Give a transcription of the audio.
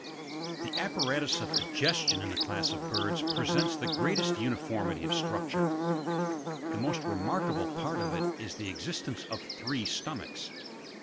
26. The apparatus of digestion in the class of birds presents the greatest uniformity of structure : the most remarkaUe part of it is the existence of three stomachs.